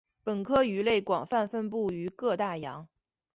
本科鱼类广泛分布于各大洋。